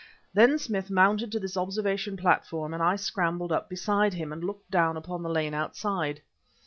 Then Smith mounted to this observation platform and I scrambled up beside him, and looked down upon the lane outside.